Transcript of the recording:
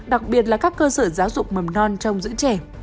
đặc biệt là các cơ sở giáo dục mầm non trong giữ trẻ